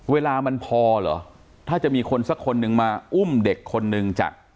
เวลามันพอเหรอถ้าจะมีคนสักคนนึงมาอุ้มเด็กคนนึงจาก